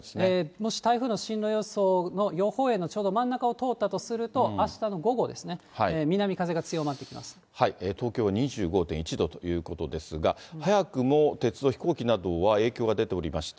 もし、台風の進路予想の予報円のちょうど真ん中を通ったとすると、あしたの午後ですね、東京２５．１度ということですが、早くも鉄道、飛行機などは影響が出ておりまして。